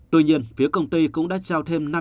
tuy nhiên phía công ty cũng đã trao thêm